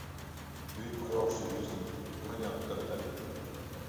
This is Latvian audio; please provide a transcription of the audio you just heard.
Gribu kraukšķīgu vistiņu! Gan jau tu tagad arī..